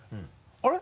「あれ？